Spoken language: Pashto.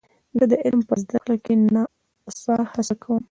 زه د علم په زده کړه کې نه هڅه کوم.